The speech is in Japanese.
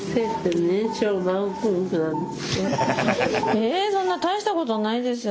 えそんな大したことないですよ